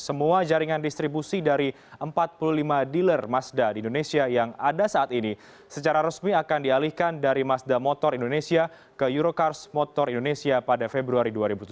semua jaringan distribusi dari empat puluh lima dealer mazda di indonesia yang ada saat ini secara resmi akan dialihkan dari mazda motor indonesia ke eurocars motor indonesia pada februari dua ribu tujuh belas